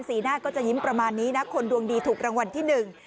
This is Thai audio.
หน้าก็จะยิ้มประมาณนี้นะคนดวงดีถูกรางวัลที่หนึ่ง